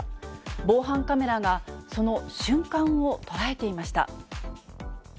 防犯カメラがその瞬間を捉えていました。